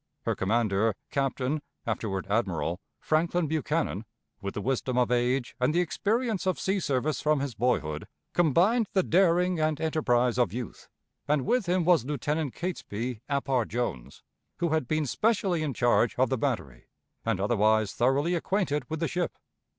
Her commander, Captain (afterward Admiral) Franklin Buchanan, with the wisdom of age and the experience of sea service from his boyhood, combined the daring and enterprise of youth, and with him was Lieutenant Catesby Ap R. Jones, who had been specially in charge of the battery, and otherwise thoroughly acquainted with the ship.